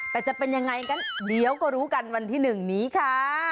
แต่จะเป็นยังไงกันเดี๋ยวก็รู้กันวันที่๑นี้ค่ะ